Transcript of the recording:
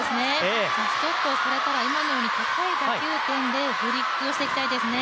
ストップをされたら、今のように高い打球点でフリックをしたいですね。